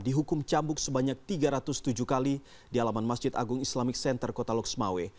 dihukum cambuk sebanyak tiga ratus tujuh kali di alaman masjid agung islamic center kota loksmawe